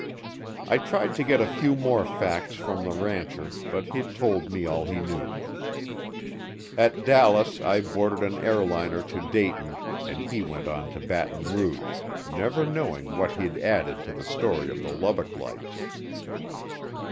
I tried to get a few more facts from the rancher but he'd told me all he knew. At Dallas I boarded an airliner to Dayton and he went on to Baton Rouge, never knowing what he'd added to the story of the Lubbock Lights.